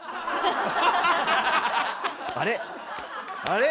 あれ？